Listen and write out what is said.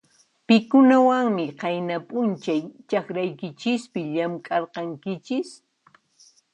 Pikunawanmi qayna p'unchay chakraykichispi llamk'arqanchis?